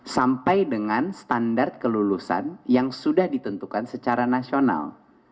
sampai dengan standar kelulusan yang sudah ditentukan secara nasional